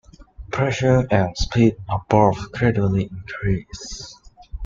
Pressure and speed are both gradually increased.